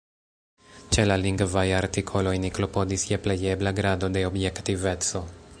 Ĉe la lingvaj artikoloj ni klopodis je plejebla grado de objektiveco.